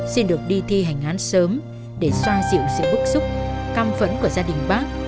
xin được đi thi hành án sớm để xoa dịu sự bức xúc căm phẫn của gia đình bác